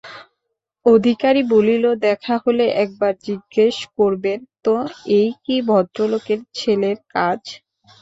অধিকারী বলিল, দেখা হলে একবার জিজ্ঞেস করবেন তো এই কি ভদরলোকের ছেলের কাজ?